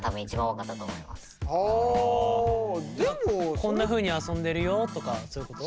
こんなふうに遊んでるよとかそういうこと？